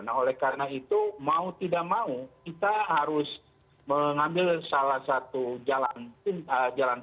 nah oleh karena itu mau tidak mau kita harus mengambil salah satu jalan